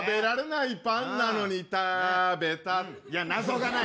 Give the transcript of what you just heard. いや謎がない！